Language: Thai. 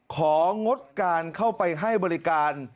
ของงดการเข้าไปให้บริการ